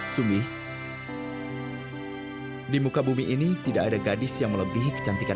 sampai jumpa di video selanjutnya